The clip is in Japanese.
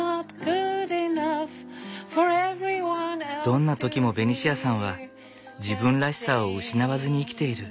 どんな時もベニシアさんは自分らしさを失わずに生きている。